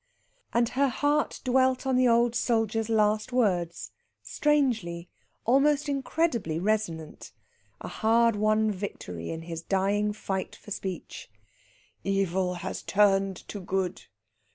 And her heart dwelt on the old soldier's last words, strangely, almost incredibly, resonant, a hard won victory in his dying fight for speech, "Evil has turned to good.